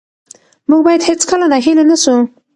موږ باید هېڅکله ناهیلي نه سو.